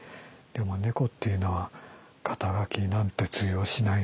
でも猫っていうのは肩書なんて通用しないままで生きている。